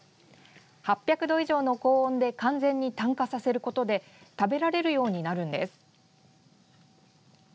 ８００度以上の高温で完全に炭化させることで食べられるようになるんです。